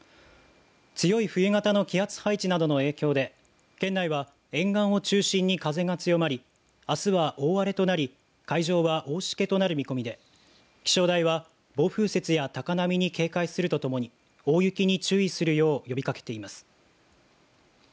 強い冬型の気圧配置などの影響で県内は沿岸を中心に風が強まりあすは、大荒れとなり海上は、大しけとなる見込みで気象台は暴風雪や高波に警戒するとともに大雪に注意するよう呼びかけています。